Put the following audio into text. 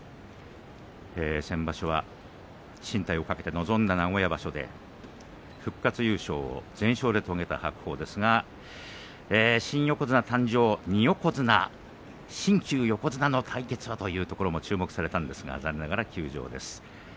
先場所は進退を懸けて臨んだ名古屋場所で復活優勝全勝で遂げた白鵬ですが新横綱誕生、２横綱新旧横綱の対決というところも注目されたんですが残念ながら休場です。。